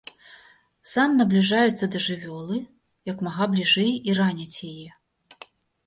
Сан набліжаюцца да жывёлы як мага бліжэй і раняць яе.